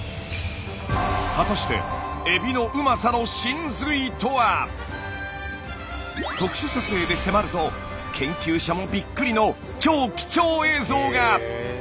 果たして特殊撮影で迫ると研究者もびっくりの超貴重映像が！